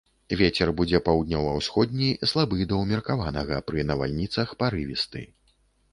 Вецер будзе паўднёва-ўсходні, слабы да ўмеркаванага, пры навальніцах парывісты.